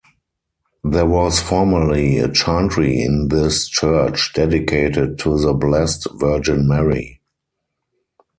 There was formerly a chantry in this church, dedicated to the Blessed Virgin Mary.